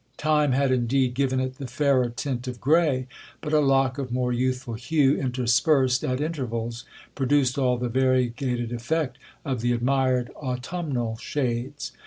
Time had indeed given it the fairer tint of grey ; but a lock of more youthful hue, interspersed at intervals, produced all the variegated effect of the admired autumnal shades.